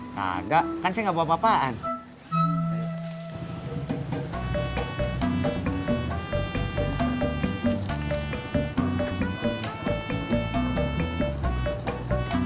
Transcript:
tidak kan saya tidak bawa apa apaan